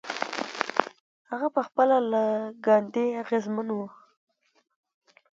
هغه پخپله له ګاندي اغېزمن و.